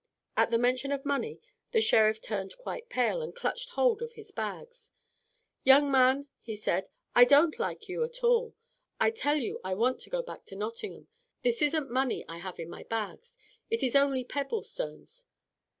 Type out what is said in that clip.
At the mention of money the Sheriff turned quite pale and clutched hold of his bags. "Young man," he said, "I don't like you at all. I tell you I want to go back to Nottingham. This isn't money I have in my bags, it is only pebble stones."